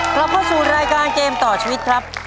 กลับเข้าสู่รายการเกมต่อชีวิตครับ